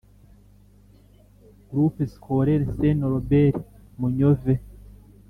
Groupe Scolaire St Norbert Munyove